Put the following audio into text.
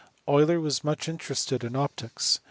Euler was much interested in optics.